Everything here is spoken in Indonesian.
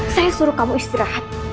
saya suruh kamu istirahat